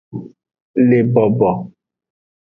Le bobo.